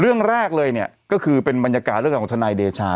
เรื่องแรกเลยเนี่ยก็คือเป็นบรรยากาศเรื่องของทนายเดชา